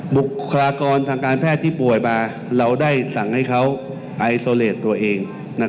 บุคลากรทางการแพทย์ที่ป่วยมาเราได้สั่งให้เขาไอโซเลสตัวเอง